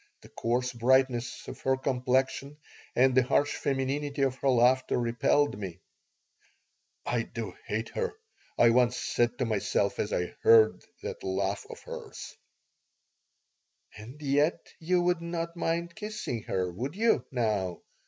The coarse brightness of her complexion and the harsh femininity of her laughter repelled me "I do hate her," I once said to myself, as I heard that laugh of hers "And yet you would not mind kissing her, would you, now?"